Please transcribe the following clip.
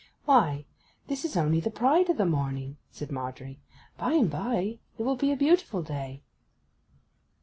'Why, this is only the pride of the morning!' said Margery. 'By and by it will be a beautiful day.